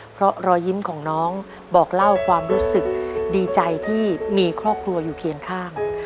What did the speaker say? เพราะรอยยิ้มของน้องบอกเล่าความรู้สึกดีใจที่มีครอบครัวอยู่เคียงข้าง